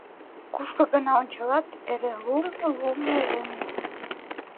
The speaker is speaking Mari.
Кушко гына ончалат, эре лум, лум, лум!